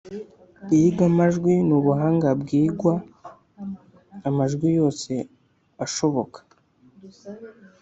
Iyigamajwi ni ubuhanga bwiga amajwi yose ashoboka